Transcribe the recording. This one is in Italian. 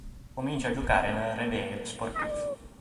Comincia a giocare nel Réveil-Sportif.